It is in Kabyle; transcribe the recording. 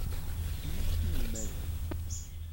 Nekkni d inelmaden.